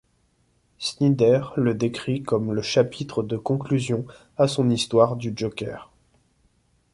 Snyder le decrit comme le chapitre de conclusion à son histoire du Joker.